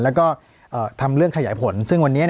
ปากกับภาคภูมิ